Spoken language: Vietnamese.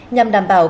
nhằm đảm bảo